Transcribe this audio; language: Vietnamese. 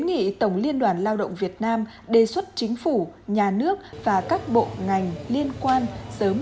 nghị tổng liên đoàn lao động việt nam đề xuất chính phủ nhà nước và các bộ ngành liên quan sớm